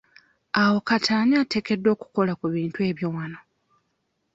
Awo kati ani ateekeddwa okukola ku ebintu ebyo wano?